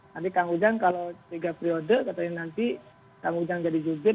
nanti kang ujang kalau tiga periode katanya nanti kang ujang jadi jubir